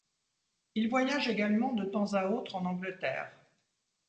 Il voyage également de temps à autre en Angleterre.